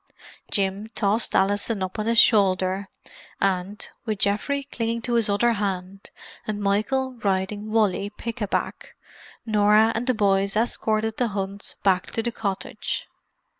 Jim tossed Alison up on his shoulder, and, with Geoffrey clinging to his other hand, and Michael riding Wally pick a back, Norah and the boys escorted the Hunts back to the cottage.